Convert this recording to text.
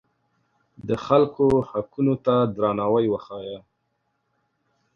د خلکو حقونو ته درناوی وښیه.